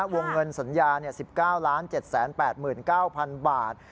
วงเงินสัญญา๑๙๗๘๙๐๐บาท